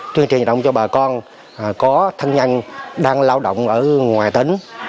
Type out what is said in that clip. tuyên truyền động cho bà con có thân nhân đang lao động ở ngoài tỉnh